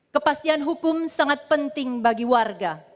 kepastian hukum sangat penting bagi warga